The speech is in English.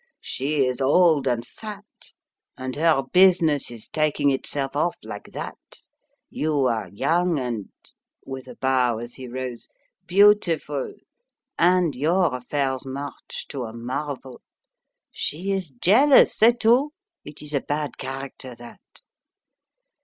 She is old, and fat, and her business is taking itself off, like that! You are young and" with a bow, as he rose "beautiful, and your affairs march to a marvel. She is jealous, c'est tout! It is a bad character, that."